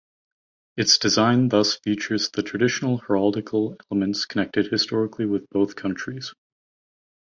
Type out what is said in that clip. Its design thus features the traditional heraldical elements connected historically with both countries.